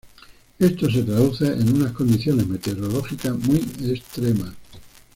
Esto se traduce en unas condiciones meteorológicas muy extremas.